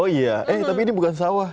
oh iya eh tapi ini bukan sawah